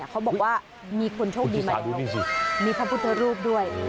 เขาบอกว่ามีคนโชคดีมาด้วยมีพระพุทธรูปด้วย